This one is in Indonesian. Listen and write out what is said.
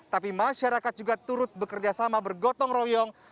tapi masyarakat juga turut bekerjasama bergotong royong